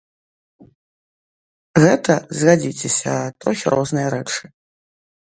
Гэта, згадзіцеся, трохі розныя рэчы.